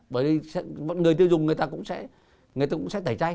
bởi vì người tiêu dùng người ta cũng sẽ tẩy chay